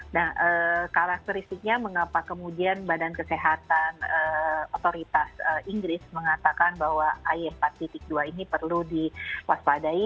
nah karakteristiknya mengapa kemudian badan kesehatan otoritas inggris mengatakan bahwa ay empat dua ini perlu diwaspadai